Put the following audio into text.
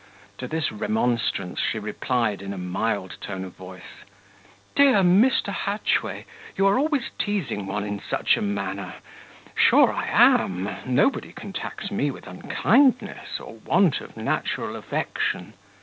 To this remonstrance she replied, in a mild tone of voice, "Dear Mr. Hatchway, you are always teasing one in such a manner: sure I am, nobody can tax me with unkindness, or want of natural affection."